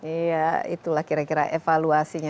iya itulah kira kira evaluasinya